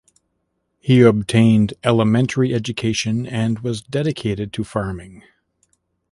He obtained elementary education and was dedicated to farming.